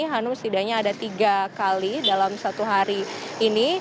hanum setidaknya ada tiga kali dalam satu hari ini